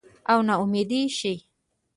او نا امیده شي